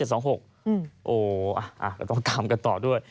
โอ้อะต้องตามกันต่อด้วย